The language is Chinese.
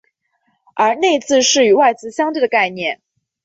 而内字是与外字相对的概念。